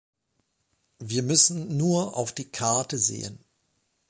Wir müssen nur auf die Karte sehen.